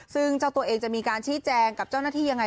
ซึ่งเจ้าตัวเองจะมีการชี้แจงกับเจ้าหน้าที่ยังไง